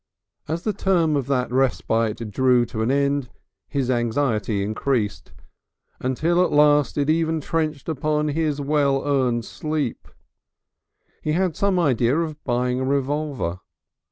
As the term of that respite drew to an end his anxiety increased, until at last it even trenched upon his well earned sleep. He had some idea of buying a revolver.